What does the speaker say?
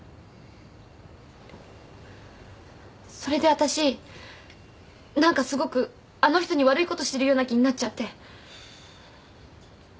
それでわたし何かすごくあの人に悪いことしてるような気になっちゃって。